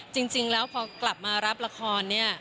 จริงแล้วพอกลับมารับละครเนี่ย